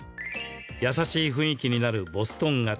優しい雰囲気になるボストン型。